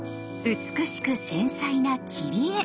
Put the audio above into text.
美しく繊細な切り絵！